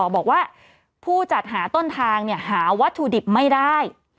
บอกว่าผู้จัดหาต้นทางหาวัตถุดิบไม่ได้